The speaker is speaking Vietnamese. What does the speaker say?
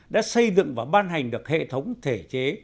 đã xây dựng và ban hành được hệ thống thể chế